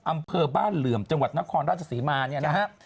อำเภอบ้านเหลื่อมจังหวัดนครราชศรีมาเนี่ยนะฮะ